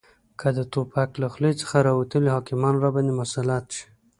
که د توپک له خولې څخه راوتلي حاکمان راباندې مسلط شي